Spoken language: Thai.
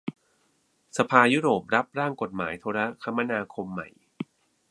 สภายุโรปรับร่างกฎหมายโทรคมนาคมใหม่